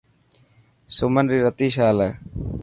سمن ري رتي شال هي.